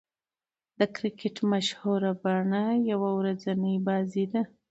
د کرکټ مشهوره بڼه يوه ورځنۍ بازي ده.